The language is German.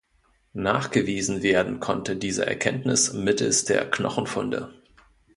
Nachgewiesen werden konnte diese Erkenntnis mittels der Knochenfunde.